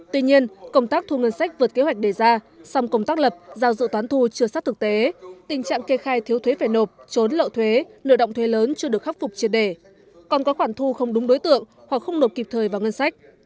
tuy nhiên công tác thu ngân sách vượt kế hoạch đề ra song công tác lập giao dự toán thu chưa sát thực tế tình trạng kê khai thiếu thuế phải nộp trốn lộ thuế nửa động thuế lớn chưa được khắc phục triệt đề còn có khoản thu không đúng đối tượng hoặc không nộp kịp thời vào ngân sách